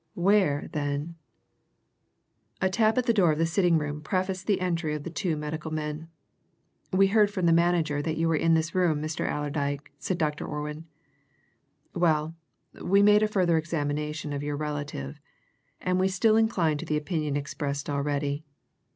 Where, then A tap at the door of the sitting room prefaced the entry of the two medical men. "We heard from the manager that you were in this room, Mr. Allerdyke," said Dr. Orwin. "Well, we made a further examination of your relative, and we still incline to the opinion expressed already.